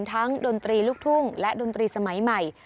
ดนตรีลูกทุ่งและดนตรีสมัยใหม่